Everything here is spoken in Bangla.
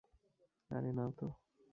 আরে, নাও তো।